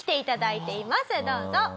どうぞ。